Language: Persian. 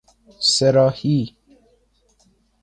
سه راهی